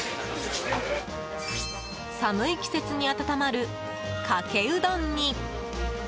寒い季節に温まるかけうどんに。